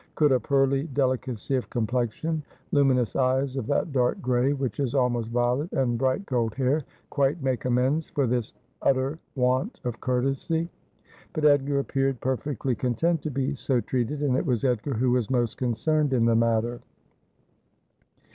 Could a pearly delicacy of complexion, luminous eyes of that dark gray which is almost violet, and bright gold hair, quite make amends for this utter want of courtesy ? But Edgar appeared perfectly content to be so treated ; and it was Edgar who was most concerned in the matter.